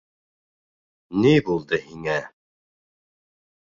— Ни булды һиңә?